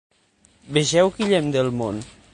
Vegeu guillem del món.